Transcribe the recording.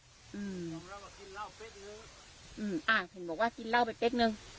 อ่าเห็นบอกว่ากินเหล้าเป็นเฟ็กหนึ่ง